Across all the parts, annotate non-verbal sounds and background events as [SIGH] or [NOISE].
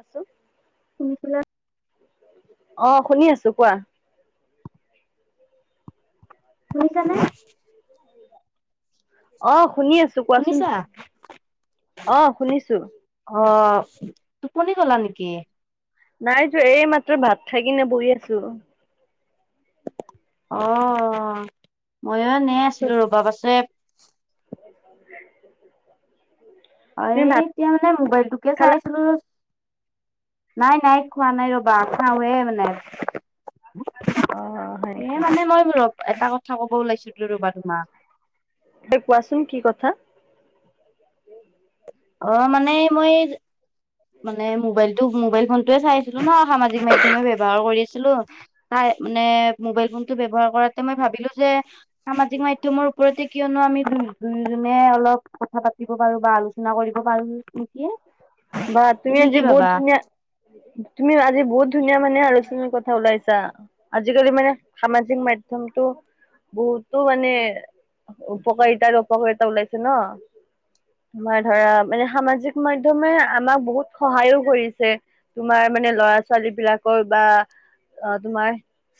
আছোঁ শুনিছিলা অঁ, শুনি আছো কোৱা। শুনিছানে? অহ শুনি আছো কোৱাচোন। শুনিছা? অ, শুনিছো। অ, টোপনি গলা নেকি? নাই যোৱা। এই মাত্ৰ ভাত খাই কিনে বহি আছোঁ। অঁ, মইয়ো এনেই আছিলো ৰবা। পাছে [INAUDIBLE] অ তুমি ভাত এতিয়া মানে মোবাইলটোকে চাই খালা আছিলো নাই, নাই। খোৱা নাই ৰবা। খাওঁহে মানে। অ হয় এ নেকি মানে মই ৰ এটা কথা কব ওলাইছিলোঁ ৰ'বা তোমাক। এ, কোৱাচোন কি কথা? অ মানে মই মানে মোবাইলটো মোবাইল ফোন টোয়ে চাই আছিলো ন, সামাজিক মাধ্যমে ব্যৱহাৰ কৰি আছিলো। তাই মানে মোবাইল ফোনটো ব্যৱহাৰ কৰাতে মই ভাবিলো যে সামাজিক মাধ্যমৰ ওপৰতে কিয়নো আমি দু দুয়োজনে অলপ কথা পাতিব পাৰো বা আলোচনা কৰিব পাৰো নেকি? বা তুমি আজি কি বহুত ভাবা ধুনীয়া তুমি আজি বহুত ধুনীয়া মানে আৰু ভাল কথা ওলাইছা। আজিকালি মানে সামাজিক মাধ্যমটো বহুতো মানে উপকাৰিতা আৰু অপকাৰিতা ওলাইছে ন? তোমাৰ ধৰা মানে সামাজিক মাধ্য মে আমাক বহুত সহায়ো কৰিছে তোমাৰ মানে ল'ৰা ছোৱালী বিলাকৰ বা অ তোমাৰ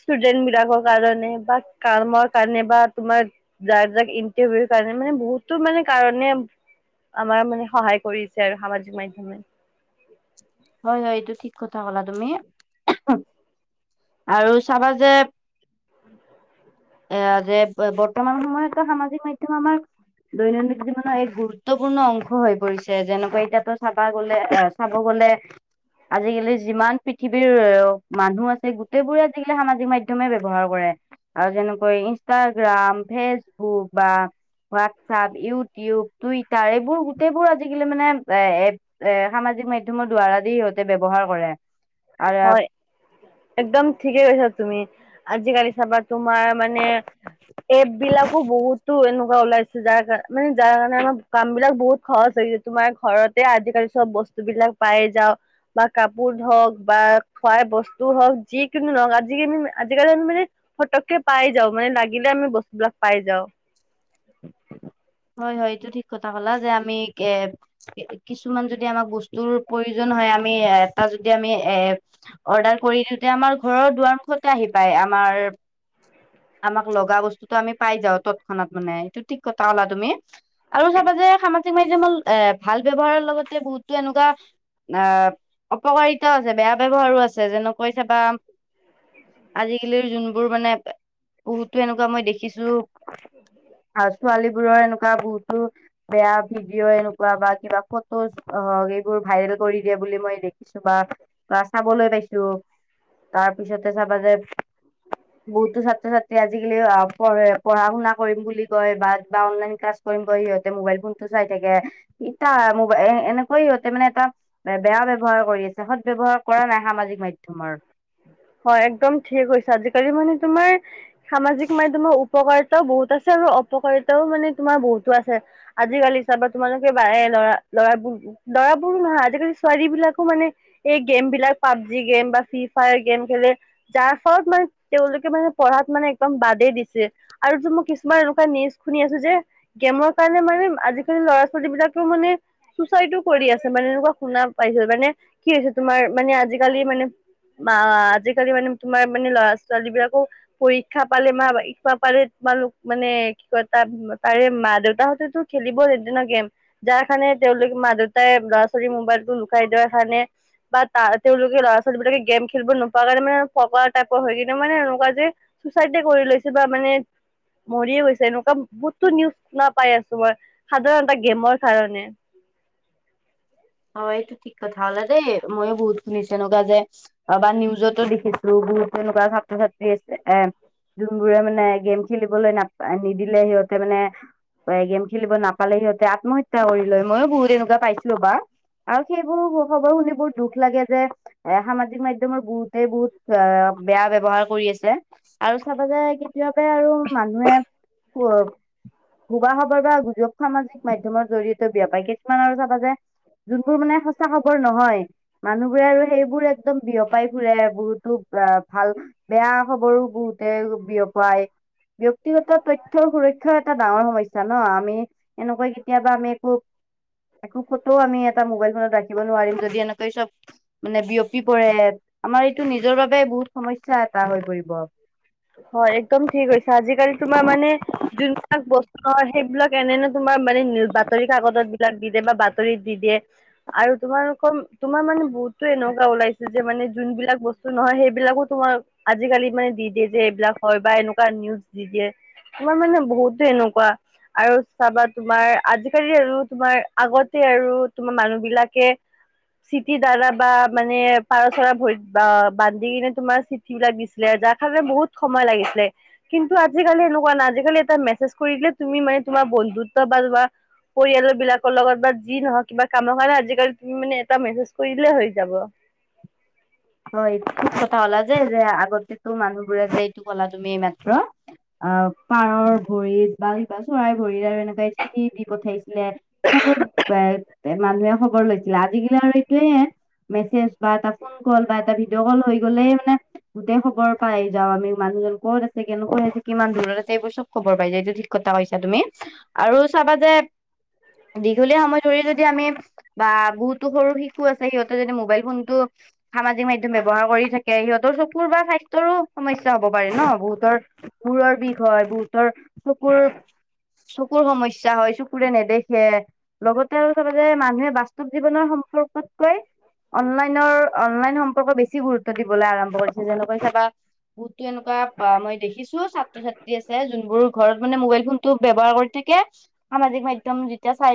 ষ্টুডেন্ট বিলাকৰ কাৰণে বা কামৰ কাৰণে বা তোমাৰ যাৰ যাক ইন্টাৰভিউৰ কাৰণে মানে বহুতো মানে কাৰণে আমাৰ মানে সহায় কৰিছে আৰু সামাজিক মাধ্যমে। হয়, হয়। এইটো ঠিক কথা কলা তুমি। আৰু চাবা যে [INAUDIBLE] এয়া যে বৰ্তমান সময়তটো সামাজিক মাধ্যম আমাৰ দৈনন্দিন জীৱনৰ এক গুৰুত্বপূৰ্ণ অংশ হৈ পৰিছে যেনেকুৱা এতিয়াতো চাবা গলে আহ চাব গ'লে আজিকালি যিমান পৃথিৱীৰ মানুহ আছে গোটেই বোৰে আজিকালি সামাজিক মাধ্যমে ব্যৱহাৰ কৰে। আৰু যেনে। ইনষ্টাগ্ৰাম, ফেচবুক বা হোৱাটছপ, ইউটিউব। তই তাৰে এইবোৰ গোটেইবোৰ আজিকালি মানে এ এপ এ সামাজিক মাধ্যমৰ দ্বাৰা দি সিহঁতে ব্যৱহাৰ কৰে। [UNINTELLIGIBLE] হয় একদম ঠিকে কৈছা তুমি আজিকালি চাবাত তোমাৰ মানে এপ বিলাকো বহুতো এনেকুৱা ওলাইছে যাৰ কাৰ মানে যাৰ কাৰণে আমাৰ কাম বিলাক বহুত খৰচ হৈছে তোমাৰ ঘৰতে আজিকালি চব বস্তু [UNINTELLIGIBLE] বস্তু বিলাক পাই যাওঁ বা কাপোৰ ধওক [UNINTELLIGIBLE] বাহ, খুৱাই বস্তু হওক যিকিনো নহওক আজিকালি আজিকালি মানে ফটককে পাই যাওঁ মানে [UNINTELLIGIBLE] মানে লাগিলে আমি বস্তুবিলাক পাই যাওঁ [INAUDIBLE] হয় হয় এইটো ঠিক কথা কলা। যে আমি এ কিছুমান যদি আমাক বস্তুৰ প্ৰয়োজন হয় আৰু এটা যদি আমি এ অৰ্ডাৰ কৰি দিও তেতিয়া আমাৰ ঘৰৰ দুৱাৰ মুখতে আহি পায় আমাৰ। আমাক লগা বস্তুতটো আমি পাই যাও তৎক্ষণাত মানে এইটো টিক কটা কলা তুমি। [UNINTELLIGIBLE] তুমি আৰু চাবা যে সামাজিক মাধ্যমৰ এ ভাল ব্যৱহাৰৰ লগতে বহুতো এনেকুৱা আহ অপকাৰিতাও আছে বেয়া ব্যৱহাৰো আছে যেনেকৈ চ বা [UNINTELLIGIBLE] আজিকালিৰ যোনবোৰ মানে বহুতো এনেকুৱা মই দেখিছো। আৰু ছোৱালী এনেকুৱা বহুতো বেয়া ভিডিঅ' এনেকুৱা বা কিবা ফটো ভাইৰেল কৰি দিয়ে বুলি মই দেখিছো বা বা চাবলৈ পাইছো তাৰ পিছতে চাবা যে। বহুতো ছাত্ৰ ছাত্ৰী আজিকালি অঁ পঢ়ে পঢ়া শুনা কৰিম বুলি কয় বা অনলাইন ক্লছ কৰি সিহঁতে মোবাইল ফোনতটো চাই থাকে ইতা মোবাই এনেকৈ সিহতে মানে এটা [UNINTELLIGIBLE] বেয়া ব্যৱহাৰ কৰি আছে। সৎ ব্যৱহাৰ কৰা নাই সামাজিক মাধ্যমৰ। [UNINTELLIGIBLE] হয় একদম ঠিক হৈছে। আজিকালি মানে তোমাৰ সামাজিক মাধ্যমৰ উপকাৰিতাও বহুত আছে ৰ। [UNINTELLIGIBLE] অপকাৰিতাও মানে তোমাৰ বহুতো আছে আজিকালি হিচাপে তোমালোকে ব লৰা লৰাবোৰ। [UNINTELLIGIBLE] লৰা বোৰো নহয় আজিকালি ছোৱালী বিলাকো মানে এই গেম বিলাক পাবজি গেম বা ফ্ৰি [UNINTELLIGIBLE] গেম খেলি যাৰ ফলত মানে তেওঁলোকে মানে পঢ়াত মানে একদম বাদেই দিছে আৰু [UNINTELLIGIBLE] মই কিছুমান এনেকুৱা নিজ শুনি আছো যে গেমৰ কাৰণে মানে আজিকালি ল'ৰা ছোৱালী বিলাকেও মানে। চুচাইডো কৰি আছে মানে এনেকুৱা শুনা পাইছে মানে কি হৈছে তোমাৰ মানে আজিকালি মানে [UNINTELLIGIBLE] ম আজিকালি মানে তোমাৰ মানে ল'ৰা ছোৱালী বিলাকো পৰীক্ষা পালে মাা পালে। [UNINTELLIGIBLE] তোমালোক মানে কি কয় তা তাৰে মা দেউতাহঁতেতো খেলিব এদিনা গেম যাৰ কাৰানে [UNINTELLIGIBLE] তেওঁলোকে মা দেউতাই ল'ৰা ছোৱালীৰ মোবাইলতটো লুকাই দিয়া এখানে বা ত তেওঁলোকে ল'ৰা ছোৱালী বিলাকে [UNINTELLIGIBLE] গেম খেলিব নোপোৱাৰ কাৰণে মানে পকাৰ টাইপৰ হয় কিন্ত মানে এনেকুৱা যে চুচাইড কৰি লৈছে বা মানে [UNINTELLIGIBLE] মৰিয়ে গৈছে এনেকুৱা বহুততো নিউজ শুনা পাই আছো মই সাধাৰণ গেমৰ কাৰণে [UNINTELLIGIBLE] [INAUDIBLE] অ এইটো ঠিক কথা হলে দেই ময়ো বহুত শুনিছো এনেকুৱা যে বা নিউজতো লিখিছো [UNINTELLIGIBLE] টো তেনেকুৱা ছাত্ৰ ছাত্ৰী আছে। এ। যোনবোৰে মানে গেম খেলিবলৈ নাপা নিদিলে সিহঁতে মানে [UNINTELLIGIBLE] গেম খেলিব নাপালে সিহঁতে আত্মহত্যা কৰি লয় ময়ো বহুত এনেকুৱা পাইছিলো বা আৰু সেইবোৰ খবৰ শুনি বহুত দুখ লাগে যে এ সামাজিক মাধ্যমৰ বহুতেই বহুত বেয়া ব্যৱহাৰ কৰি আছে আৰু চাব যে কেতিয়াবা আৰু মানুহে উ। সবা খবৰ বা গুজব সামাজিক মাধ্যমৰ জৰিয়তে বেয়া পায় কিছুমান আৰু চাবা যে - [UNINTELLIGIBLE] যোনবোৰ মানে সঁচা খবৰ নহয় মানুহবোৰে আৰু সেইবোৰ একদম বিয়পাই ফুৰে বহুতো [UNINTELLIGIBLE] ভাল বেয়া খবৰো বহুতে বিয়পাই। ব্যয়ক্তিগত তথ্যয়ৰ সুৰক্ষা এটা ডাঙৰ সমস্যা ন আমি। এনেকৈ কেতিয়াবা আমি একো একো কতও আমি। ত ৰাখিব নোৱাৰিম যদি এনেকৈ চব মানে বিয়পি পৰে। আমাৰ এইটো নিজৰ বাবে বহুত সমস্যা এটা হৈ পৰিব। হয় একদম ঠিক হৈছে। আজিকালি তোমাৰ মানে যোনবিলাক বস্তু অ সেইবিলাক এনে ন তোমাৰ মানে বাতৰি কাগজত বিলাক দি দিয় বা বাতৰিত দি দিয়ে আৰু তোমালোকৰ তোমাৰ মানে বহুতো এনেকুৱা ওলাইছে যে মানে যোন বিলাক বস্তু নহয় সেইবিলাকো তোমাৰ আজিকালি মানে দি দিয়ে যে এইবিলাক হয় বা এনেকুৱা নিউজ দি দিয়ে তোমাৰ মানে বহুতে এনেকুৱা আৰু চাবা তোমাৰ আজিকালি আৰু তোমাৰ আগতে আৰু তোমাৰ মানুহ বিলাকে। চিঠি দ্বাৰা বা মানে পাৰ চৰা ভৰিত বা বান্ধি কিনে তোমাৰ চিঠি বিলাক দিছিল। যাৰ কাৰণে বহুত সময় লাগিছিলে কিন্তু আজিকালি এনেকুৱা নাই আজিকালি এটা মেছেজ কৰি দিলে তুমি মান তোমাৰ বন্ধুত্ব বা তোমাৰ পৰিয়াল বিলাকৰ লগত বা যি নহওক কিবা কামৰ কাৰণে আজিকালি তুমি মানে এটা মেছেজ কৰিলে হৈ যাব [INAUDIBLE] হয় এইটো কথা হলা যে যে আগতেতো মানুহবোৰে যে এইটো কলা তুমি এই মাত্ৰ অ পাৰৰ ভৰিত বা কিবা চৰাই ভৰিত আৰু এনেকে চিটি দি পঠাইছিলে এনেকৈ এ এ মানুহে খবৰ লৈছিলে আজিিকালি আৰু এইটোয়েে মেছেজ বা এটা ফোন কল বা এটা ভিডিঅ' কল হৈ গ'লে মানে গোটেই খবৰ পাই যাও আমি মানুহজন ক'ত আছে কেনেক কৈ আছে কিমান দূৰত আছে এইবোৰ চব খবৰ পাই যায় এইটো ঠিক কথা কৈছা তুমি আৰু চাবা যে দীঘলীয়া সময় ধৰি যদি আমি বা বহুতো সৰু শিশু আছে সিহঁতে যদি মোবাইল ফোনটো সামাজিক মাধ্যম ব্যৱহাৰ কৰি থাকে সিহঁতৰ চকুৰ বা স্বাস্থ্যৰো সমস্যা হব পাৰে ন বহুতৰ মুৰৰ বিষ হয় বহুতৰ চকুৰ চকুৰ সমস্যা হয় চকুৰে নেদেখে লগতে আৰু চবে যে মানুহে বাস্তৱ জীৱনৰ সম্পৰ্কতকৈ অনলাইনৰ অনলাইন সম্পৰ্ক বেছি গুৰুত্ব দিবলৈ আৰম্ভ কৰিছে যেনেকৈ চাবা বহুতো এনেকুৱা মই দেখিছো ছাত্ৰ ছাত্ৰী আছে যোনবোৰ ঘৰত মানে মোবাইল ফোনতটো ব্যৱহাৰ কৰি থাকে। সামাজিক মাধ্যম যেতিয়া চাই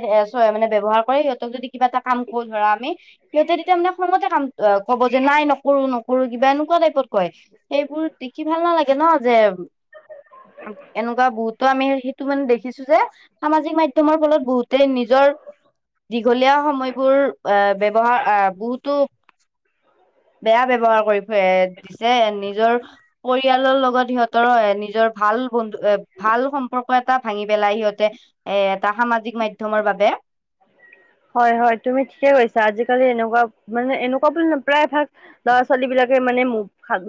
মানে ব্য্ৱহাৰ কৰে সিহঁতক যদি কিবা এটা কাম কৰো ধৰা আমি সিহঁতে তেতিয়া মানে খঙতে কাম অ কব যে নাই নকৰো নকৰো কিবা এনেকুৱা টাইপত কয় সেইবোৰ দেখি ভাল নালাগে ন যে এনেকুৱা বহুতো আমি সেইটো মানে দেখিছো যে সামাজিক মাধ্যমৰ ফলত বহুতে নিজৰ। দীঘলীয়া সময়বোৰ আহ ব্যৱহাৰ আহ বহুতো বেয়া ব্ৱহাৰ কৰি দিছে নিজৰ পৰিয়ালৰ লগত সিহঁতৰ নিজৰ ভ ভাল বন্ধু এ ভাল সম্পৰ্ক এটা ভাঙি পেলাই সিহঁতে এটা সামাজিক মাধ্যমৰ বাবে। [INAUDIBLE] হয় হয় তুমি ঠিকে কৈছা। আজিকালি এনেকুৱা মানে এনেকুৱা বুলি ন প্ৰায় ভাগ ল'ৰা ছোৱালী বিলাক। মানে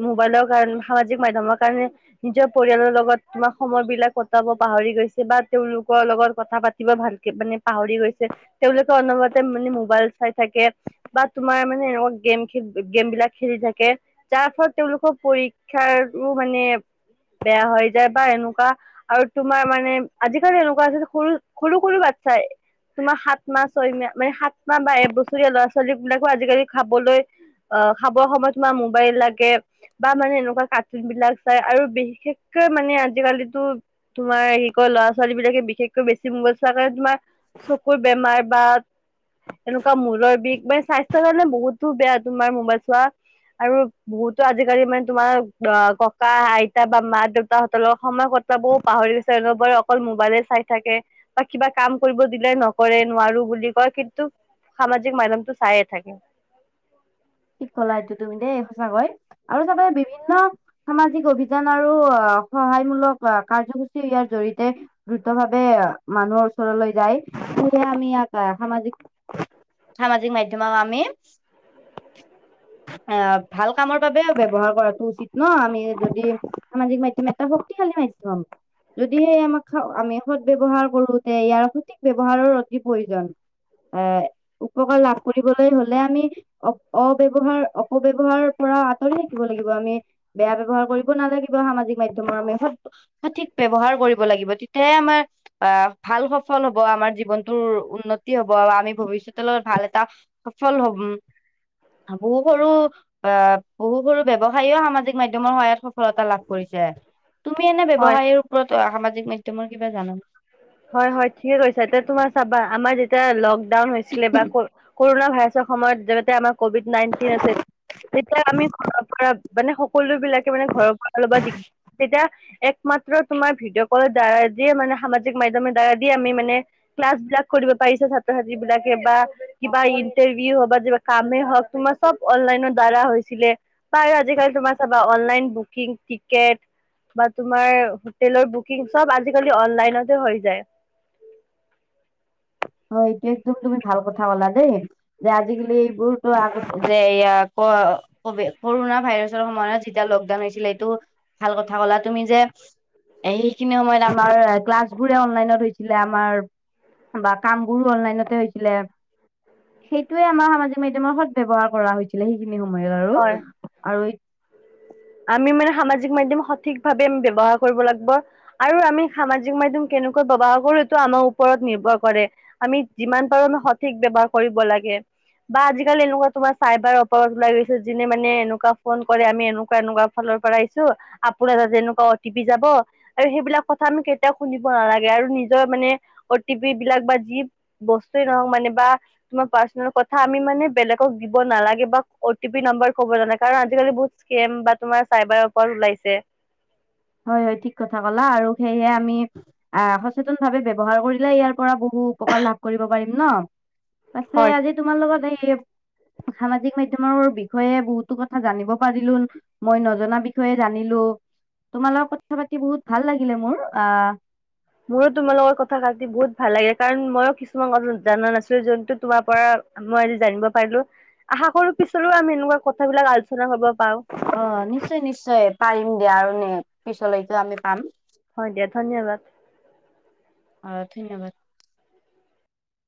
মোবাইলৰ কাৰণ সামাজিক মাধ্যমৰ কাৰণে নিজৰ পৰিয়ালৰ লগত তোমাৰ সময় দি বিলাক কটাব পাহৰি গৈছে বা তেওঁলোকৰ লগত কথা পাতিব ভালকে মানে পাহৰি গৈছে। তেওঁলোকে অনবতে মানে মোবাইল চাই থাকে। বাহ তোমাৰ মানে এনেকুৱা গেম গেম বিলাক খেলি থাকে যাৰ ফলত তেওঁলোকৰ পৰীক্ষা তাৰ মানে বেয়া হৈ যায় বা এনেকুৱা আৰু তোমাৰ মানে আজিকালি এনেকুৱা আছে সৰু সৰু সৰু বাটচা আচছাই তোমাৰ হাত সাত মাহ ছয় মাহ মানে সাত মাহ বা এবছৰীয়া ল'ৰা ছোৱালী বিলাকো আজিকালি খাবলৈ অ খাবৰ সময়ত তোমাৰ মোবাইল লাগে। বা মানে এনেকুৱা কাৰ্টুন বিলাক চাই আৰু বিশেষকে মানে আজিকালিতো তোমাৰ হেৰি ক ল'ৰা ছোৱালী বিাকে বিশেষকৈ বেছি মোৱাইল চোৱা কাৰণে তোমাৰ চকুৰ বেমাৰ বা এনেকুৱা মূলৰ বিষ বা স্বাস্থ্যৰ কাৰণে বহুতো বেয়া তোমাৰ মোৱাইল চোৱা, আৰু বহুতো আজিকালি মানে তোমাৰ ককা আইতা বা মা দেউতাহঁতৰ লগৰ সময় কথা পঢ়াবোৰ পাহৰি গৈছে অনবৰে অকল মোবাইলে চাই থাকে বা কিবা কাম কৰিব দিলে নক কৰে নোৱাৰো বুলি কয় কিন্তু সামাজিক মাধ্যমটো চাইএ থাকে। ঠিক কলা এইটো তুমি দেই সঁচাকৈ আৰু চবে বিভিন্ন সামাজিক অভিযান আৰু অৱ সহায়মূলক কাৰ্যসূচী ইয়াৰ জৰি়য়তে দ্ৰুত ভাৱে মানুহৰ ওচৰলৈ যায় সেয়ে আমি সামাজিক সামাজিক মাধ্যমক আমি [UNINTELLIGIBLE] অ ভাল কামৰ বাবে ব্যৱহাৰ কৰাটো উচিত ন আমি যদি সামাজিক মাধ্যম এটা শক্তিশালী [UNINTELLIGIBLE] যদিহে আমাক আমি সৎ ব্যয়ৱহাৰ কৰোতে ইয়াৰ সঠিক ব্যৱহাৰৰ অতি প্ৰয়োজন এ উপকাৰ লাভ কৰিবলৈ হ'লে আমি অব্যহাৰ অপব্যৱহাৰৰ পৰা আঁতৰি থাকিব লাগিব আমি বেয়া ব্যৱহাৰ কৰিব নালাগিব সামাজিক মাধ্যম তোমাৰ সঠিক ব্যৱহাৰ কৰিব লাগিব তেতিয়াহে আমাৰ আহ ভাল সফল হ'ব আমাৰ জীৱন তৰ উন্নতি হব বা আমি ভৱিষ্যতৰ লগত ভাল এটা সফল হব বহু সৰু আহ বহু সৰু ব্যৱসায়ীৰ সামাজিক মাধ্যমৰ সহায়ত সফলতা লাভ তুমি এনে হয়, ব্যৱসায়ৰ ওপৰত সামাজিক মাধ্যমত কিবা জানানে হয় হয় ঠিকে কৈছা এতিয়া তোমাৰ চাবা আমাৰ যেতিয়া লকডাউন হৈছিলে বা কৰোনা ভাইৰাছ সময়ত যেনেতে আমাৰ কভিড নাইণ্টিন আছে তেতিয়া আমি ঘৰৰ পৰা মানে সকলো বিলাকে মানে ঘৰৰ পৰা অলপ দি তেতিয়া এক মাত্ৰ তোমাৰ ভিডিঅ' ক'লৰ দ্বাৰা দিয়ে মানে সামাজিক মাধ্যমত মাধ্যমৰ দ্বাৰা দি আমি মানে ক্লাছ বিলাক কৰিব পাৰিছো ছাত্ৰ ছাত্ৰী বিলাকে বা কিবা ই [UNINTELLIGIBLE] কামেই হওক তোমাৰ চব অনলাইনৰ দ্বাৰা হৈছিলে বাৰ আজিকালি তোমাৰ চাবা অনলাইন লাইন বুকিং টিকেট বা তোমাৰ হোটেলৰ বুকিং চব আজিকালি অনলাইনত হৈ যায় এইটো একদম তুমি ভাল কথা কলা দেই যে আজিকালি এইবোৰতো আগ যে ক ক কৰোণনা ভাইৰাছৰ সময়ত যেতিয়া লকডাউন হৈছিলে সেইটো ভাল কথা কলা তুমি যে এইখিনি সময়ত আমাৰ ক্লাছ বোৰে অনলাইনত হৈছিলে আমাৰ কাম বোৰো অনলাইনতে হৈছিলে সেইটোয়ে আমাৰ সামাজিক মাধ্যমৰ সদ ব্যৱহাৰ কৰা হৈছিলে সেইখিনি সময়ত আৰু হয় আৰু আমি মানে সামাজিক মাধ্যম সঠিক ভাৱে আমি ব্যৱহাৰ কৰিব লাগিব আৰু আমি সামাজিক মাধ্যম কে তেনেকুৱা [UNINTELLIGIBLE] আনৰ ওপৰত নিৰ্ভৰ কৰে আমি যিমান পাৰো আমি সঠিক ব্যৱহাৰ কৰিব লাগে। বা আজিকালি এনেকুৱা তোমাৰ চাইবাৰ অপৰাধ ওলাই গৈছে যিনে মানে এনেকুৱা ফোন কৰে আমি এনো এনেকোৱা ফালৰ পৰা আহিছো আপোনাৰ তাতে এনেকুৱা অ টি পি যাব আৰু সেইবিলাক কথা আমি কেতিয়াও শুনিব নালাগে নিজৰ মানে অ টি পি বিলাক বা যি বস্ত নহওঁক মানে বা তোমাৰ পাছৰ্ডত কথা আমি মানে বেলেগক দিব নালাগে বা অ টি পি নাম্বাৰ ক'ব নালাগে কাৰণ আজিকালি বহুত কেম বা তোমাৰ চাইবাৰৰ ওপৰত ওলাইছে হয় হয় ঠিক কথা কলা আৰু সেয়হে আমি আহ সচেতন ভাৱে ব্যৱহাৰ কৰিলে ইয়াৰ পৰা বহুত উপকাৰ লাভ কৰিব পাৰিম ন পাছে হয় আজি তোমাৰ লগত এই সামাজিক মাধ্যমৰ বিষয়ে বহুতো কথা জানিব পাৰিলো মই নজনা বিষয়ে জানিলো তোমাৰ লগত কথা পাতি বহুত ভাল লাগিলে মোৰ আহ মোৰো তোমাৰ লগত কথা পাতি বহুত ভাল লাগিলে কাৰণ ময়ো কিছুমান কথা জাননা নাছিলো যোনটো তোমাৰ পৰা মই আজি জানিব পাৰিলো আশা কৰো পিছতও আমি এনেকুৱা ক বিলাক আলোচনা হব অ নিশ্চয় নিশ্চয় পাৰিম দিয়া আৰু নে পিছলৈকে আমি পাম হয় দিয়া ধন্যবাদ অ ধন্যবাদ।